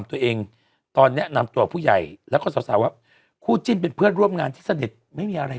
แต่หิก็ยำนะว่าไม่มี